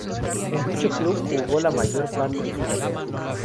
En dicho club jugó la mayor parte de su carrera.